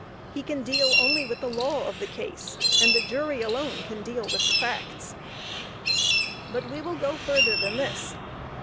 He can deal only with the law of the case, and the jury alone can deal with the facts. But we will go further than this.